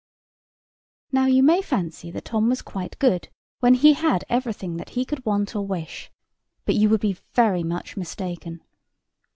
Now you may fancy that Tom was quite good, when he had everything that he could want or wish: but you would be very much mistaken.